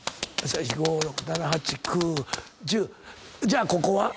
じゃあここは？